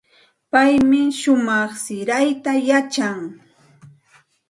Paymi shumaq sirayta yachan.